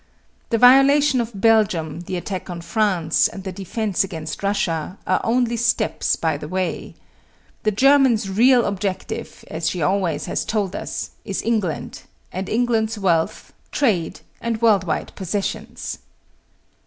The violation of Belgium, the attack on France and the defense against Russia, are only steps by the way. The German's real objective, as she always has told us, is England, and England's wealth, trade and worldwide possessions.